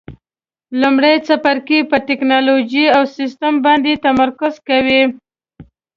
لومړی څپرکی په ټېکنالوجي او سیسټم باندې تمرکز کوي.